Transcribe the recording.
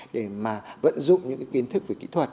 để mà vận dụng những cái kiến thức về kỹ thuật